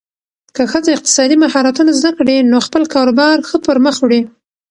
که ښځه اقتصادي مهارتونه زده کړي، نو خپل کاروبار ښه پرمخ وړي.